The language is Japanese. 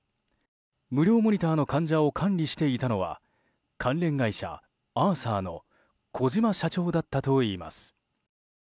無料モニターの患者を管理していたのは関連会社アーサーの小島社長だったといいます。